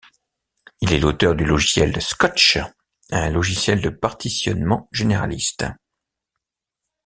Il est l'auteur du logiciel Scotch, un logiciel de partitionnement généraliste.